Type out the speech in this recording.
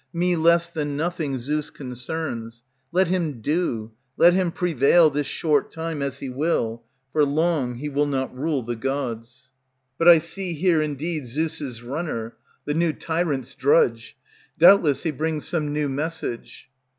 Me less than nothing Zeus concerns. Let him do, let him prevail this short time As he will, for long he will not rule the gods, But I see here, indeed, Zeus' runner, The new tryant's drudge; Doubtless he brings some new message.